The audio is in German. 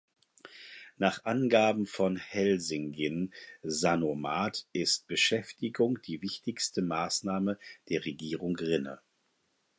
Nach Angaben von Helsingin Sanomat ist „Beschäftigung die wichtigste Maßnahme der Regierung Rinne“.